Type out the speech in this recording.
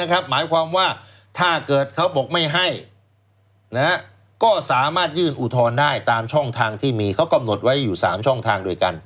หมายความว่าถ้าเกิดเขาบอกไม่ให้ก็สามารถยื่นอุทธรณ์ได้ตามช่องทางที่มีเขากำหนดไว้อยู่๓ช่องทางด้วยกัน